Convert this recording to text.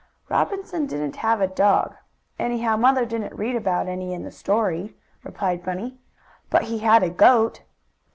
"Robinson didn't have a dog anyhow, mother didn't read about any in the story," replied Bunny. "But he had a goat."